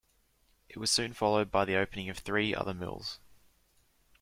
It was soon followed by the opening of three other mills.